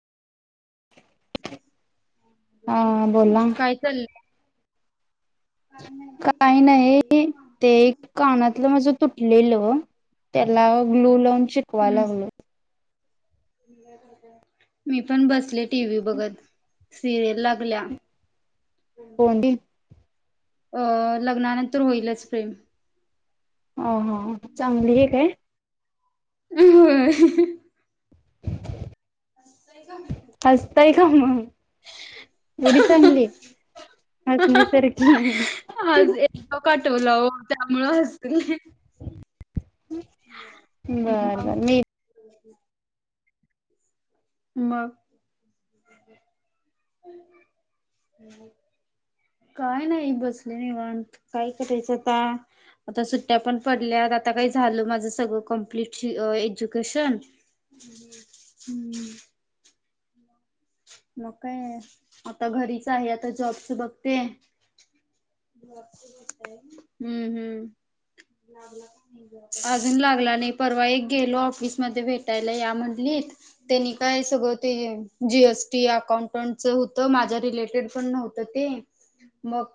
हा बोला काय चाललंय? काही नाही ते एक कानातलं माझ तुटलेलं त्याला ग्लू लावून चिपकाव हम्म लागलो मी पण बसले टीव्ही बघत सिरियल ला ला कोणी अ लग्नानंतर होईलच प्रेम ह ह चांगली काय? हो होय [inaudible] हस्ताय हम्म हा एवढी चांगली हसण्यासारखी हा ह आज एक हा टॉक आठवला ओ त्यामुळं हसले बर मग बर मी [inaudible] मग काय नाही बसले निवांत काय करायचं आ आता सुट्ट्या पण पडल्यात आता काही झाल माझ सगळं कमप्लीट एज्युकेशन [inaudible] मग काय आता घरीच आहे आता जॉबच बघते हम्म हम्म अजून लागला नाही परवा एक गेलो ऑफिस मध्ये भेटायला या म्हटलीत त्यांनी काय सगळ ते जीएसी त अकाउंटंटच होतं माझ्या रिलेटेड पण नव्हतं ते मग